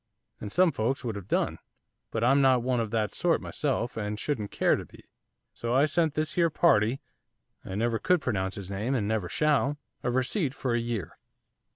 And some folks would have done, but I'm not one of that sort myself, and shouldn't care to be. So I sent this here party, I never could pronounce his name, and never shall a receipt for a year.